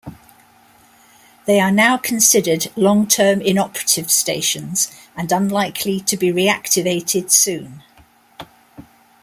They are now considered 'long-term inoperative' stations, and unlikely to be reactivated soon.